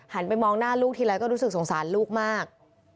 ไปมองหน้าลูกทีไรก็รู้สึกสงสารลูกมาก